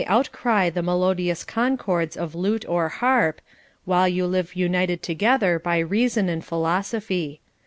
487 outcry the melodious concords of lute or harp, while you live united together by reason and philosophy.